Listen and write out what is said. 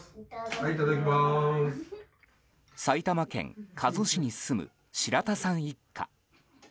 埼玉県加須市に住む白田さん一家。